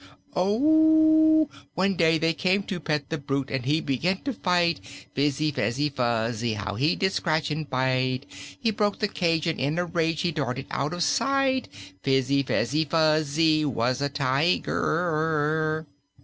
"Oh! One day they came to pet the brute and he began to fight Fizzy fezzy fuzzy how he did scratch and bite! He broke the cage and in a rage he darted out of sight Fizzy fezzy fuzzy was a Ti ger!"